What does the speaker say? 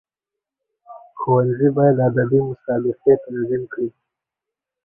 ښوونځي باید ادبي مسابقي تنظیم کړي.